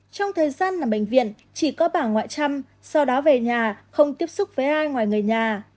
trong thời gian nằm bệnh viện chỉ có bà ngoại trăm sau đó về nhà không tiếp xúc với ai ngoài người nhà